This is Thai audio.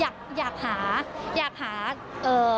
อยากหาเขาเรียกว่าอยากหาเงิน